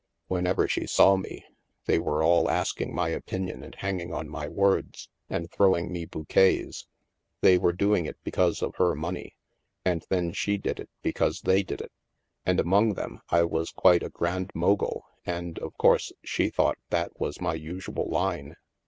Whenever she saw me^ they were all asking my opinion and hanging on THE MAELSTROM 265 my words, and throwing me bouquets; they were doing it because of her money ; and then she did it because they did it. And among them, I was quite a Grand Mogul and, of course, she thought that was my usual line.